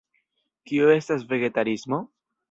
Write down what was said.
Kio estas vegetarismo?